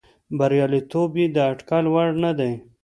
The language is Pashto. بریالیتوب یې د اټکل وړ نه دی.